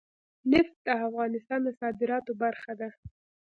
نفت د افغانستان د صادراتو برخه ده.